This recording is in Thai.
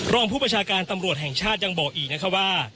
รองผู้ประชาการตำรวจแห่งชาติยังบอกอีกนะคะว่า